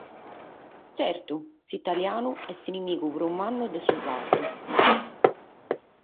Tzertu, s’italianu est s’inimigu prus mannu de su sardu.